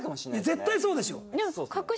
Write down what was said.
絶対そうでしょ？